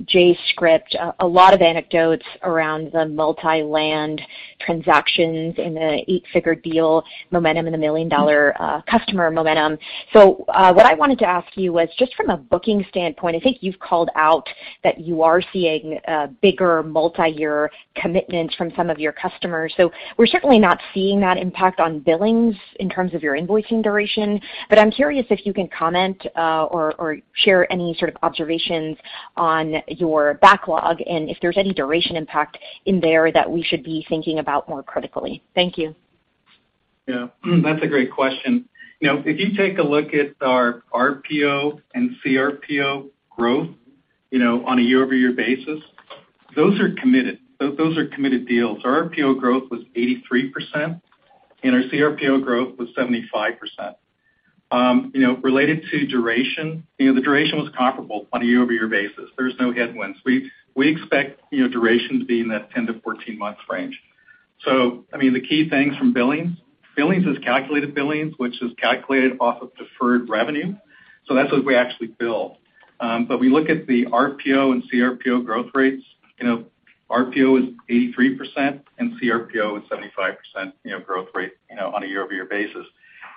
Jay's script, a lot of anecdotes around the multi-land transactions in the eight-figure deal momentum and the million-dollar customer momentum. What I wanted to ask you was just from a booking standpoint, I think you've called out that you are seeing a bigger multi-year commitment from some of your customers. We're certainly not seeing that impact on billings in terms of your invoicing duration. I'm curious if you can comment or share any sort of observations on your backlog and if there's any duration impact in there that we should be thinking about more critically. Thank you. Yeah. That's a great question. You know, if you take a look at our RPO and CRPO growth, you know, on a year-over-year basis, those are committed. Those are committed deals. Our RPO growth was 83%, and our CRPO growth was 75%. You know, related to duration, you know, the duration was comparable on a year-over-year basis. There's no headwinds. We expect, you know, durations being that 10 to 14 months range. I mean, the key things from billings is calculated billings, which is calculated off of deferred revenue. That's what we actually bill. We look at the RPO and CRPO growth rates. You know, RPO is 83% and CRPO is 75%, you know, growth rate, you know, on a year-over-year basis.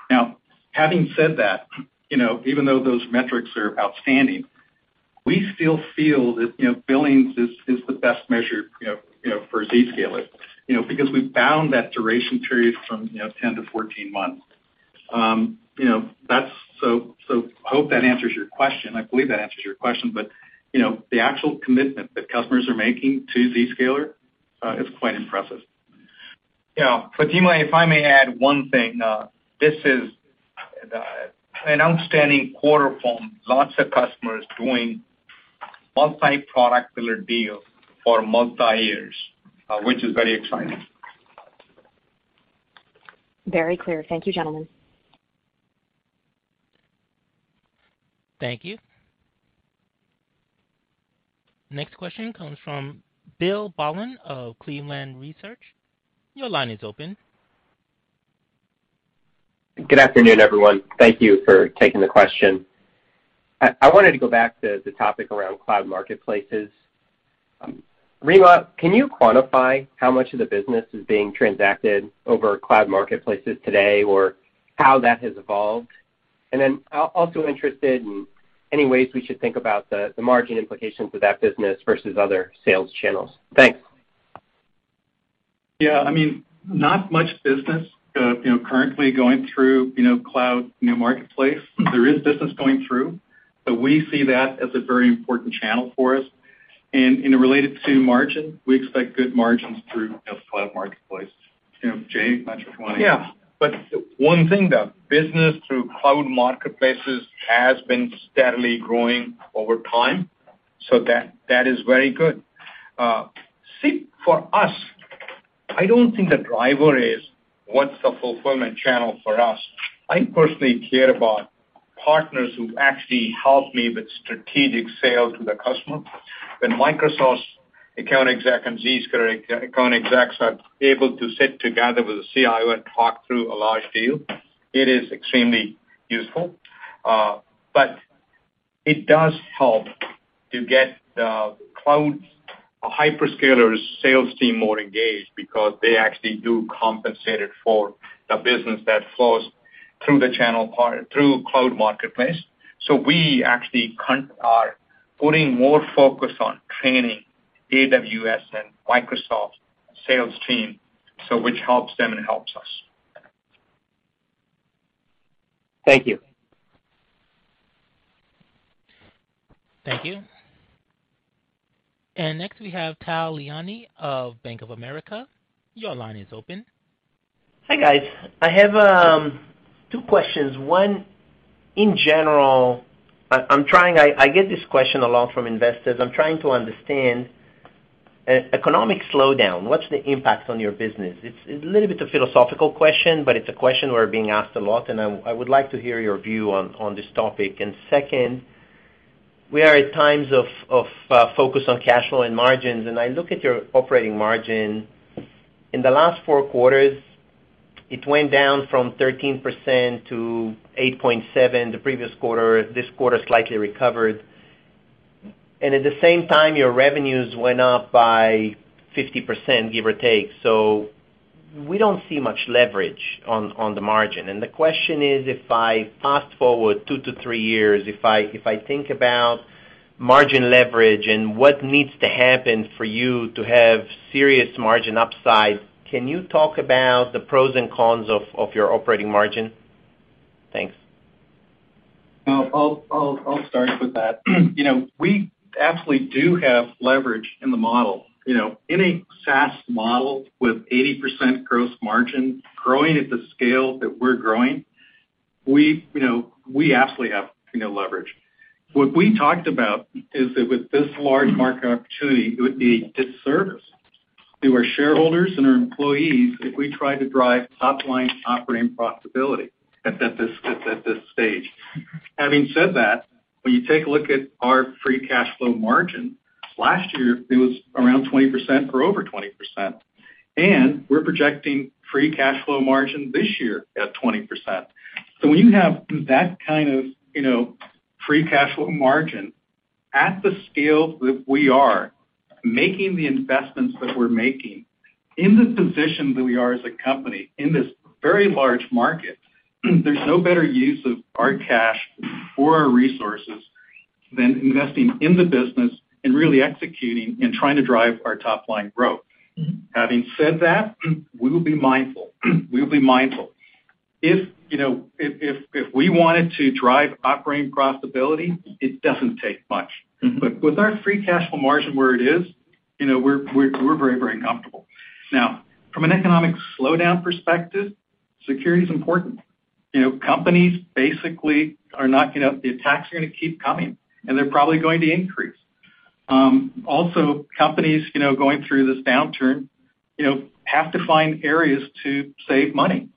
Now, having said that, you know, even though those metrics are outstanding, we still feel that, you know, billings is the best measure, you know, for Zscaler. You know, because we've bound that duration period from, you know, 10 to 14 months. You know, that's so I hope that answers your question. I believe that answers your question. You know, the actual commitment that customers are making to Zscaler is quite impressive. Yeah. Fatima, if I may add one thing. This is an outstanding quarter from lots of customers doing multi-product deals for multi years, which is very exciting. Very clear. Thank you, gentlemen. Thank you. Next question comes from Ben Bollin of Cleveland Research. Your line is open. Good afternoon, everyone. Thank you for taking the question. I wanted to go back to the topic around cloud marketplaces. Remo, can you quantify how much of the business is being transacted over cloud marketplaces today or how that has evolved? Also interested in any ways we should think about the margin implications of that business versus other sales channels. Thanks. Yeah. I mean, not much business, you know, currently going through, you know, cloud marketplace. There is business going through, but we see that as a very important channel for us. Related to margin, we expect good margins through cloud marketplace. You know, Jay, not sure if you wanna- Yeah. One thing, the business through cloud marketplaces has been steadily growing over time, that is very good. See, for us, I don't think the driver is what's the fulfillment channel for us. I personally care about partners who actually help me with strategic sales to the customer. When Microsoft's account exec and Zscaler account execs are able to sit together with a CIO and talk through a large deal, it is extremely useful. It does help to get the cloud hyperscalers sales team more engaged because they actually do compensate it for the business that flows through the channel through cloud marketplace. We actually are putting more focus on training AWS and Microsoft sales team, which helps them and helps us. Thank you. Thank you. Next, we have Tal Liani of Bank of America. Your line is open. Hi, guys. I have two questions. One, in general, I get this question a lot from investors. I'm trying to understand economic slowdown, what's the impact on your business? It's a little bit of a philosophical question, but it's a question we're being asked a lot, and I would like to hear your view on this topic. Second, we are at times of focus on cash flow and margins, and I look at your operating margin. In the last four quarters, it went down from 13% to 8.7% the previous quarter. This quarter slightly recovered. At the same time, your revenues went up by 50%, give or take. So we don't see much leverage on the margin. The question is, if I fast-forward two to three years, if I think about margin leverage and what needs to happen for you to have serious margin upside, can you talk about the pros and cons of your operating margin? Thanks. No, I'll start with that. You know, we absolutely do have leverage in the model. You know, in a SaaS model with 80% gross margin growing at the scale that we're growing, we, you know, we absolutely have, you know, leverage. What we talked about is that with this large market opportunity, it would be a disservice to our shareholders and our employees if we try to drive top-line operating profitability at this stage. Having said that, when you take a look at our free cash flow margin, last year it was around 20% or over 20%, and we're projecting free cash flow margin this year at 20%. When you have that kind of, you know, free cash flow margin at the scale that we are, making the investments that we're making, in the position that we are as a company in this very large market, there's no better use of our cash or our resources than investing in the business and really executing and trying to drive our top-line growth. Having said that, we will be mindful. If you know, if we wanted to drive operating profitability, it doesn't take much. But with our free cash flow margin where it is, you know, we're very comfortable. Now, from an economic slowdown perspective, security is important. You know, companies basically are not gonna. The attacks are gonna keep coming, and they're probably going to increase. Also, companies, you know, going through this downturn, you know, have to find areas to save money.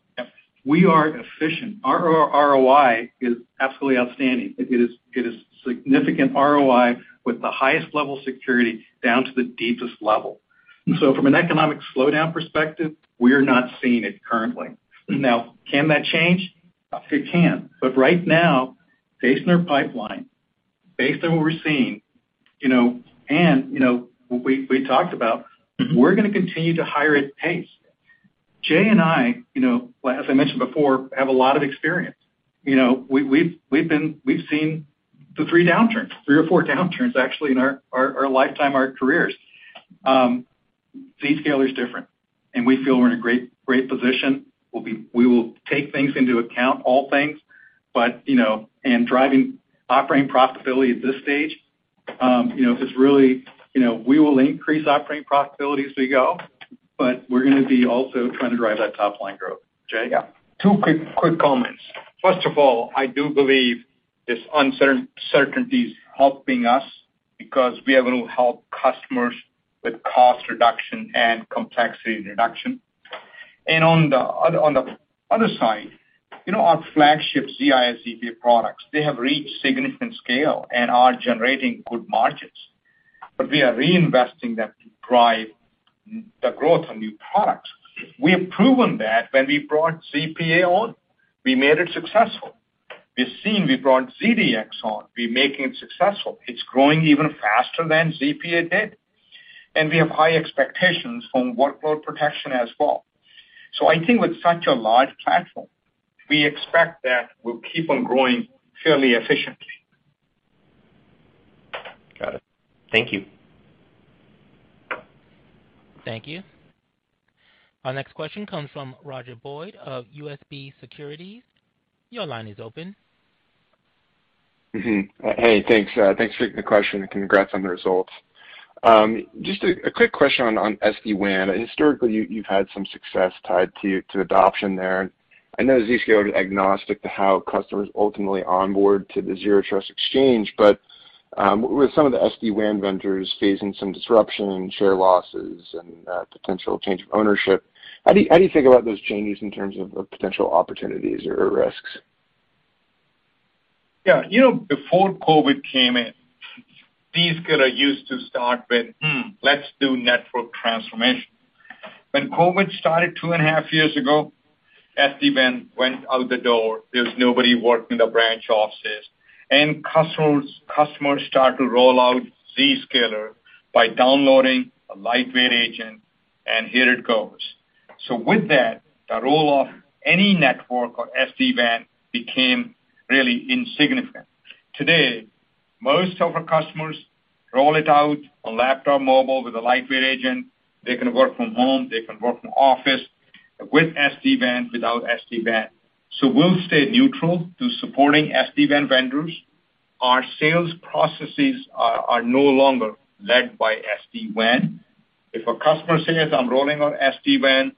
We are efficient. Our ROI is absolutely outstanding. It is significant ROI with the highest level of security down to the deepest level. From an economic slowdown perspective, we're not seeing it currently. Now, can that change? It can. But right now, based on our pipeline, based on what we're seeing, you know, and, you know, we talked about, we're gonna continue to hire at pace. Jay and I, you know, as I mentioned before, have a lot of experience. You know, we've seen the three downturns, three or four downturns, actually, in our lifetime, our careers. Zscaler is different, and we feel we're in a great position. We will take things into account, all things, but, you know, and driving operating profitability at this stage, you know, is really. You know, we will increase operating profitability as we go, but we're gonna be also trying to drive that top-line growth. Jay? Yeah. Two quick comments. First of all, I do believe this uncertain-certainty is helping us because we are going to help customers with cost reduction and complexity reduction. On the other side, you know, our flagship ZIA/ZPA products, they have reached significant scale and are generating good margins. We are reinvesting that to drive the growth of new products. We have proven that when we brought ZPA on, we made it successful. We've seen, we brought ZDX on, we're making it successful. It's growing even faster than ZPA did. We have high expectations from Workload Protection as well. I think with such a large platform, we expect that we'll keep on growing fairly efficiently. Got it. Thank you. Thank you. Our next question comes from Roger Boyd of UBS Securities. Your line is open. Hey, thanks. Thanks for taking the question, and congrats on the results. Just a quick question on SD-WAN. Historically, you've had some success tied to adoption there. I know Zscaler is agnostic to how customers ultimately onboard to the Zero Trust Exchange, but with some of the SD-WAN vendors facing some disruption, share losses and potential change of ownership, how do you think about those changes in terms of potential opportunities or risks? Yeah. You know, before COVID came in, these guys used to start with, "Hmm, let's do network transformation." When COVID started two and a half years ago, SD-WAN went out the door. There's nobody working in the branch offices. Customers start to roll out Zscaler by downloading a lightweight agent, and here it goes. With that, the roll of any network or SD-WAN became really insignificant. Today, most of our customers roll it out on laptop mobile with a lightweight agent. They can work from home, they can work from office with SD-WAN, without SD-WAN. We'll stay neutral to supporting SD-WAN vendors. Our sales processes are no longer led by SD-WAN. If a customer says, "I'm rolling out SD-WAN,"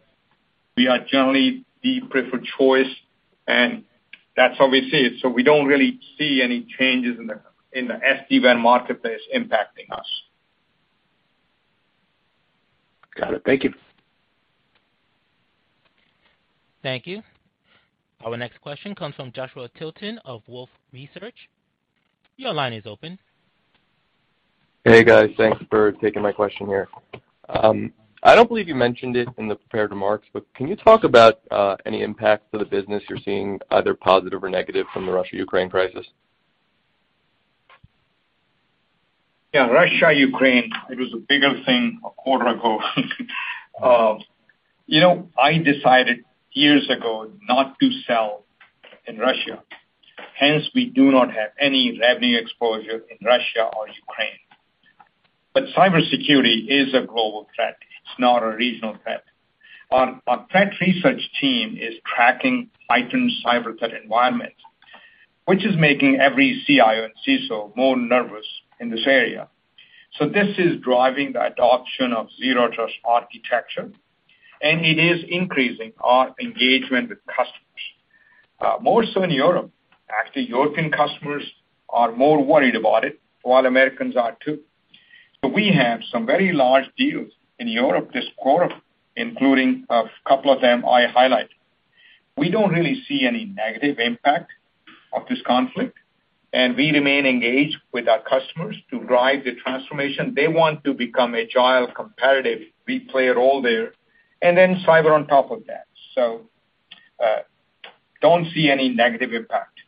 we are generally the preferred choice, and that's how we see it. We don't really see any changes in the SD-WAN marketplace impacting us. Got it. Thank you. Thank you. Our next question comes from Joshua Tilton of Wolfe Research. Your line is open. Hey, guys. Thanks for taking my question here. I don't believe you mentioned it in the prepared remarks, but can you talk about any impact to the business you're seeing, either positive or negative from the Russia-Ukraine crisis? Yeah, Russia-Ukraine, it was a bigger thing a quarter ago. You know, I decided years ago not to sell in Russia. Hence, we do not have any revenue exposure in Russia or Ukraine. Cybersecurity is a global threat. It's not a regional threat. Our threat research team is tracking heightened cyber threat environment, which is making every CIO and CISO more nervous in this area. This is driving the adoption of Zero Trust architecture, and it is increasing our engagement with customers. More so in Europe. Actually, European customers are more worried about it, while Americans are too. We have some very large deals in Europe this quarter, including a couple of them I highlighted. We don't really see any negative impact of this conflict, and we remain engaged with our customers to drive the transformation. They want to become agile, competitive. We play a role there. Then cyber on top of that. Don't see any negative impact.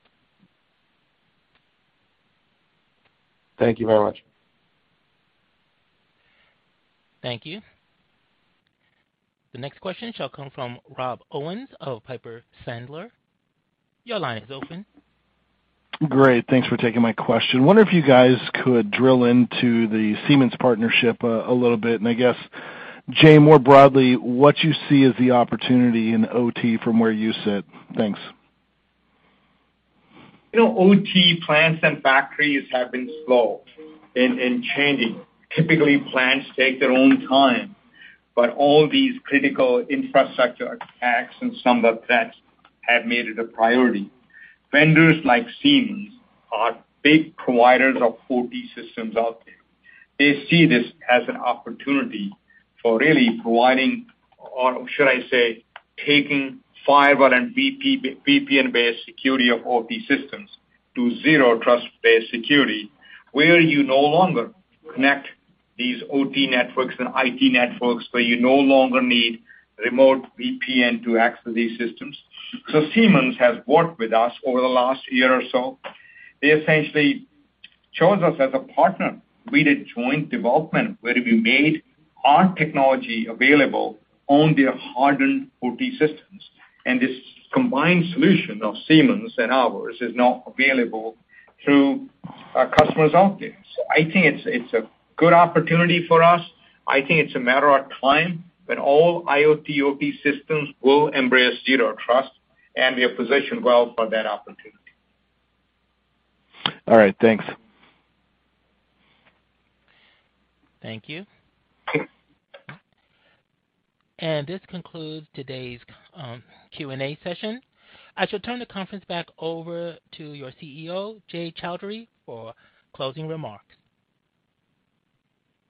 Thank you very much. Thank you. The next question shall come from Rob Owens of Piper Sandler. Your line is open. Great. Thanks for taking my question. Wonder if you guys could drill into the Siemens partnership a little bit? I guess, Jay, more broadly, what you see as the opportunity in OT from where you sit? Thanks. You know, OT plants and factories have been slow in changing. Typically, plants take their own time, but all these critical infrastructure attacks and cyber threats have made it a priority. Vendors like Siemens are big providers of OT systems out there. They see this as an opportunity for really providing or should I say, taking firewall and VPN-based security of OT systems to Zero Trust-based security, where you no longer connect these OT networks and IT networks, where you no longer need remote VPN to access these systems. Siemens has worked with us over the last year or so. They essentially chose us as a partner. We did joint development, where we made our technology available on their hardened OT systems, and this combined solution of Siemens and ours is now available through our customers out there. I think it's a good opportunity for us. I think it's a matter of time when all IoT/OT systems will embrace Zero Trust, and we are positioned well for that opportunity. All right, thanks. Thank you. This concludes today's Q&A session. I shall turn the conference back over to your CEO, Jay Chaudhry for closing remarks.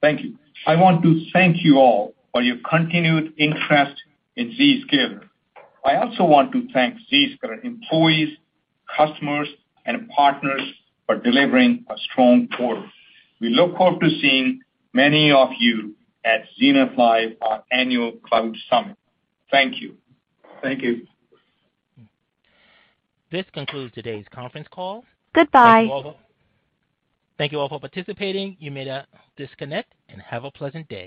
Thank you. I want to thank you all for your continued interest in Zscaler. I also want to thank Zscaler employees, customers, and partners for delivering a strong quarter. We look forward to seeing many of you at Zenith Live, our annual cloud summit. Thank you. Thank you. This concludes today's conference call. Goodbye. Thank you all for participating. You may now disconnect and have a pleasant day.